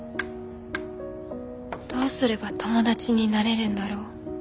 どうすれば友達になれるんだろう。